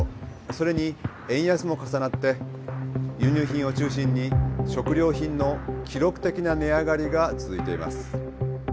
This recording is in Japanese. それに円安も重なって輸入品を中心に食料品の記録的な値上がりが続いています。